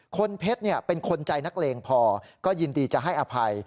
เพชรเป็นคนใจนักเลงพอก็ยินดีจะให้อภัย